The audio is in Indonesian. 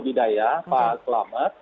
dinayah pak selamat